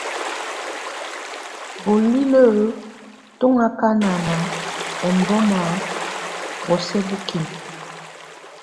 Bolilǝ́ tù ɔŋ akaka ɛmbɔ̀ma bǝsubǝkimǝ.